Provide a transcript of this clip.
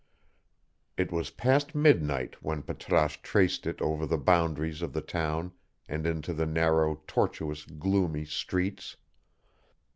It was past midnight when Patrasche traced it over the boundaries of the town and into the narrow, tortuous, gloomy streets.